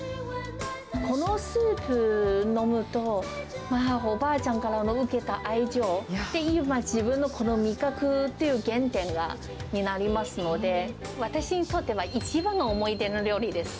このスープ飲むと、まあ、おばあちゃんから受けた愛情、今、この自分の味覚っていう原点になりますので、私にとっては一番の思い出の料理です。